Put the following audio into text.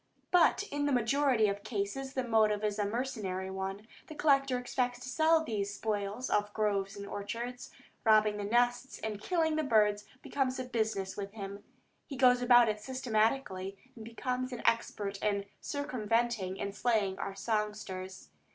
But in the majority of cases the motive is a mercenary one; the collector expects to sell these spoils of the groves and orchards. Robbing the nests and killing birds becomes a business with him. He goes about it systematically, and becomes expert in circumventing and slaying our songsters.